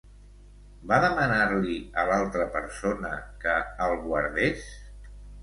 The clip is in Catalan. Va demanar-li a l'altra persona que el guardés?